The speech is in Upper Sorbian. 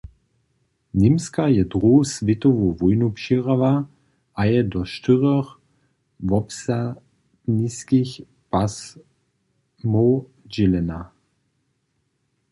Němska je Druhu swětowu wójnu přěhrała a je do štyrjoch wobsadniskich pasmow dźělena.